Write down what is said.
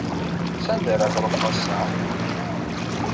S anda ara truḥeḍ ass-a?